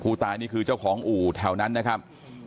ผู้ตายนี่คือเจ้าของอู่อ๋แถวนั้นนะครับ